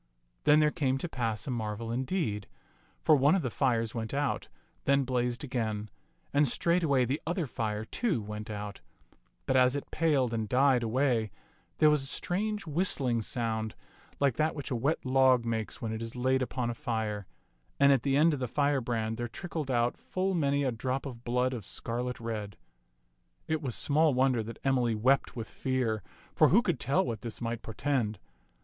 Then there came to pass a marvel indeed, for one of the fires went out, then blazed again ; and straightway the other fire, too, went out; but as it paled and died away, there was a strange whistling sound like that which a wet log makes when it is laid upon a fire, and at the end of the firebrand there trickled out full many a drop of blood of scarlet red. It was small wonder that Emily wept with fear, for who could tell what this might portend